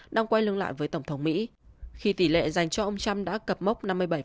đang quay lưng lại với tổng thống mỹ khi tỷ lệ dành cho ông trump đã cập mốc năm mươi bảy